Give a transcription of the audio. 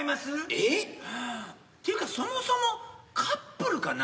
ええっ？っていうかそもそもカップルかな？